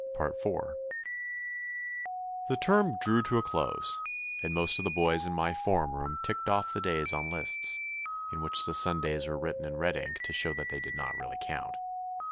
IV The term drew to a close, and most of the boys in my form room ticked off the days on lists, in which the Sundays were written in red ink to show that they did not really count.